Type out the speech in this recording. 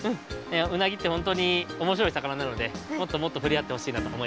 うなぎってほんとにおもしろいさかななのでもっともっとふれあってほしいなとおもいます。